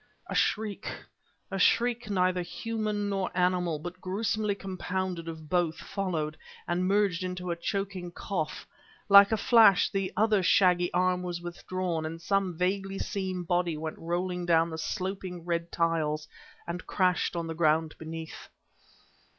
A shriek a shriek neither human nor animal, but gruesomely compounded of both followed... and merged into a choking cough. Like a flash the other shaggy arm was withdrawn, and some vaguely seen body went rolling down the sloping red tiles and crashed on to the ground beneath.